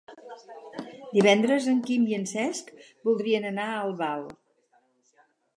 Divendres en Quim i en Cesc voldrien anar a Albal.